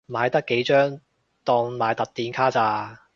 買得幾張當買特典卡咋